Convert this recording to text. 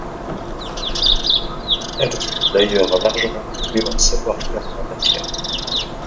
Elles ont d’ailleurs largement prouvé leur savoir-faire en la matière.